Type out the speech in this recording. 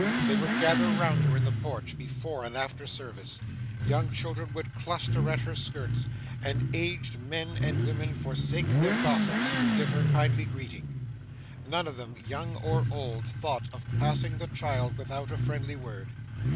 They would gather round her in the porch, before and after service; young children would cluster at her skirts; and aged men and women forsake their gossips, to give her kindly greeting. None of them, young or old, thought of passing the child without a friendly word.